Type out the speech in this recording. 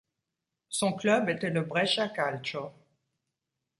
Son club était le Brescia Calcio.